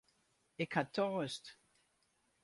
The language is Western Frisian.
Ik ha toarst.